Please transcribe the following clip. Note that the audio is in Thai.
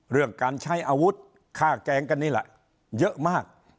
เรื่องการใช้อาวุธฆ่าแกล้งกันนี่แหละเยอะมาก